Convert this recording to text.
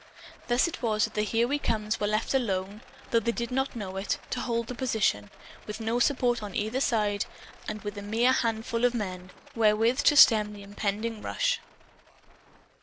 Thus it was that the Here We Comes were left alone (though they did not know it), to hold the position, with no support on either side, and with a mere handful of men wherewith to stem the impending rush.